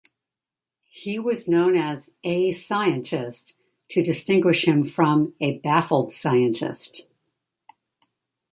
He was known as "A Scientist" to distinguish him from A Baffled Scientist.